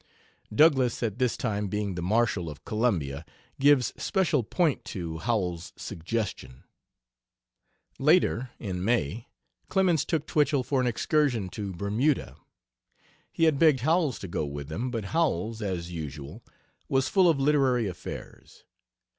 Douglass at this time being the Marshal of Columbia, gives special point to Howells's suggestion. Later, in May, Clemens took Twichell for an excursion to Bermuda. He had begged Howells to go with them, but Howells, as usual, was full of literary affairs.